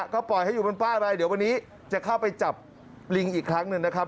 ก็ปล่อยให้อยู่บนป้ายไปเดี๋ยววันนี้จะเข้าไปจับลิงอีกครั้งหนึ่งนะครับ